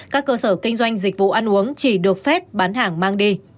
các cơ sở kinh doanh dịch vụ ăn uống chỉ được phép bán hàng mang đi